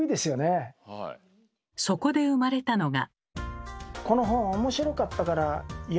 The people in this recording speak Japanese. そこで生まれたのが。